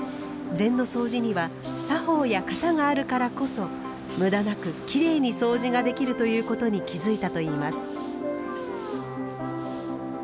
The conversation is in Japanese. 禅のそうじには「作法や型があるからこそ無駄なくきれいにそうじができる」ということに気付いたといいます。